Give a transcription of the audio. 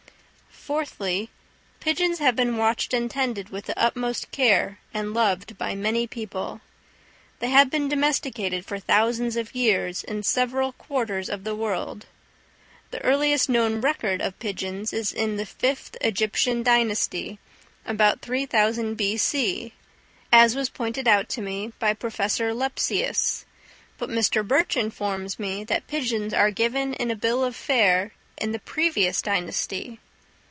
Fourthly, pigeons have been watched and tended with the utmost care, and loved by many people. They have been domesticated for thousands of years in several quarters of the world; the earliest known record of pigeons is in the fifth Ægyptian dynasty, about 3000 B.C., as was pointed out to me by Professor Lepsius; but Mr. Birch informs me that pigeons are given in a bill of fare in the previous dynasty.